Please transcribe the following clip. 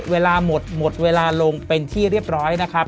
เวลาหมดหมดเวลาลงเป็นที่เรียบร้อยนะครับ